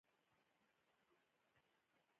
یو زمری او یو انسان په یوه لاره روان وو.